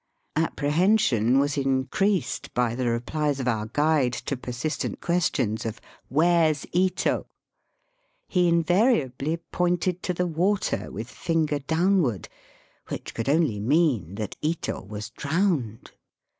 Apprehension was in creased by the rephes of our guide to persistent questions of Where's Ito ?" He invariably pointed to the water with finger downward, which could only mean that Ito was drowned.